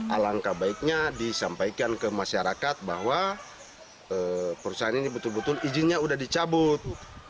alangkah baiknya disampaikan ke masyarakat bahwa perusahaan ini betul betul izinnya sudah dicabut